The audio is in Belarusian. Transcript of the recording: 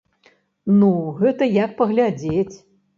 Ну, гэта як паглядзець.